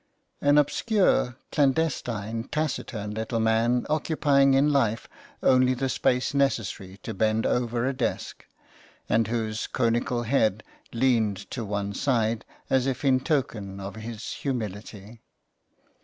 An obscure, clandestine, taciturn little man occupying in life only the space necessary to bend 261 THE CLERK'S QUEST. over a desk, and whose conical head leaned to one side as if in token of his humility.